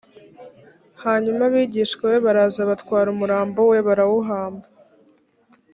hanyuma abigishwa be baraza batwara umurambo we barawuhamba